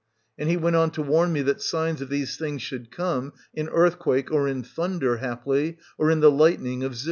And he went on to warn me that signs of these things should come, in earthquake, or in thunder, haply, or in the lightning of Zeus.